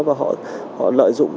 và họ lợi dụng